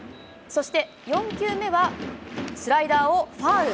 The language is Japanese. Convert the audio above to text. そして４球目はスライダーをファウル。